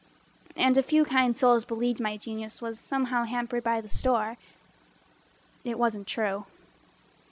And a few kind souls believed my genius Was somehow hampered by the store. It wasn't true.